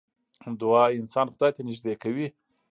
دعا انسان خدای ته نژدې کوي .